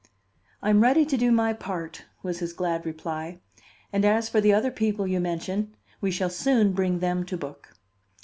"I am ready to do my part," was his glad reply, "and as for the other people you mention, we shall soon bring them to book."